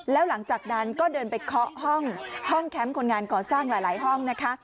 แล้วหลังจากนั้นก็เดินไปเคาะห้องแคมป์คนงานก่อสร้างหลายห้องนะคะ